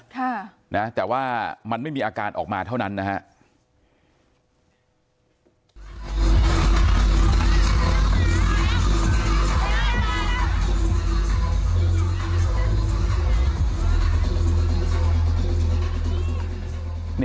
ค่ะนะแต่ว่ามันไม่มีอาการออกมาเท่านั้นนะฮะ